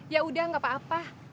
yaudah gak apa apa